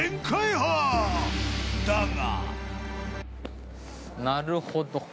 ［だが］